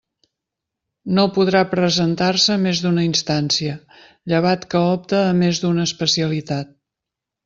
No podrà presentar-se més d'una instància, llevat que opte a més d'una especialitat.